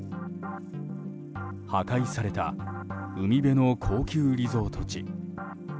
破壊された海辺の高級リゾート地。